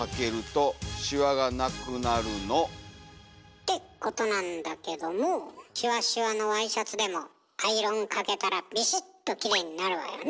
ってことなんだけどもシワシワのワイシャツでもアイロンかけたらビシッとキレイになるわよね？